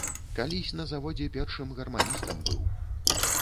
Калісь на заводзе першым гарманістам быў.